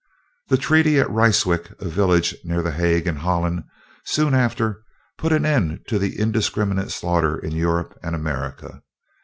The treaty at Ryswick, a village near the Hague, in Holland, soon after, put an end to the indiscriminate slaughter in Europe and America.